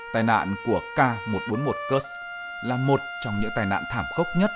tài nạn của k một trăm bốn mươi một kursk là một trong những tai nạn thảm khốc nhất